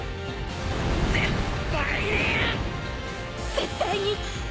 絶対に